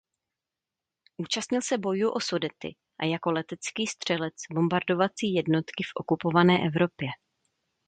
Účastnil se bojů o Sudety a jako letecký střelec bombardovací jednotky v okupované Evropě.